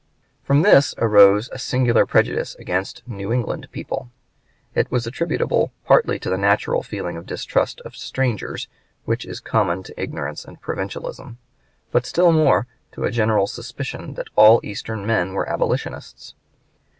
From this arose a singular prejudice against New England people. It was attributable partly to the natural feeling of distrust of strangers which is common to ignorance and provincialism, but still more to a general suspicion that all Eastern men were abolitionists.